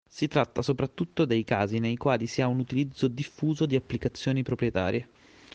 Si tratta soprattutto dei casi nei quali si ha un utilizzo diffuso di applicazioni proprietarie.